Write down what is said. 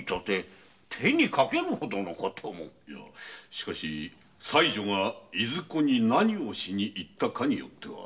しかし妻女がどこに何をしに行ったかによっては。